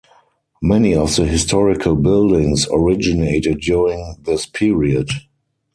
Many of the historical buildings originated during this period.